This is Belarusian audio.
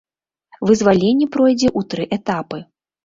Вызваленне пройдзе ў тры этапы.